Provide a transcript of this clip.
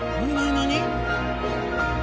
何？